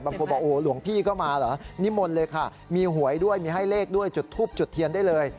บางคนบอกโอ้หลวงพี่ก็มาเหรอนิมนต์เลยค่ะมีหวยด้วยมีให้เลขด้วยจุดทูบจุดเทียนได้เลย